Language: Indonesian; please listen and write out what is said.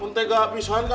untuk apisan saya ini tega